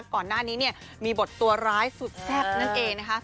ก่อนหน้านี้เนี่ยมีบทตัวร้ายสุดแซ่บนั่นเองนะคะ